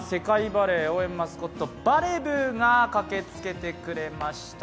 バレー応援マスコット、バレブーが駆けつけてくれました。